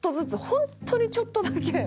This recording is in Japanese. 本当にちょっとだけ。